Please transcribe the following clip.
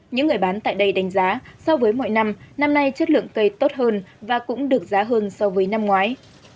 những người bán tại đây đánh giá so với mọi năm năm nay chất lượng cây tốt hơn và cũng được giá hơn so với năm ngoái